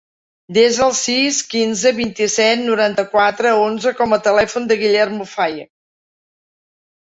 Desa el sis, quinze, vint-i-set, noranta-quatre, onze com a telèfon del Guillermo Faye.